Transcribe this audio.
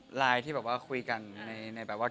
จริงเราบอกเขายังไงกับแบงค์ว่า